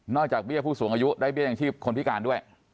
จากเบี้ยผู้สูงอายุได้เบี้ยอย่างชีพคนพิการด้วย